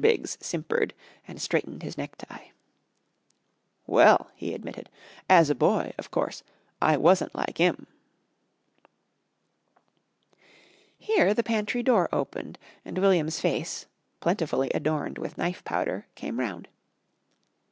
Biggs simpered and straightened his necktie. "Well," he admitted, "as a boy, of course, I wasn't like 'im." Here the pantry door opened and William's face, plentifully adorned with knife powder came round.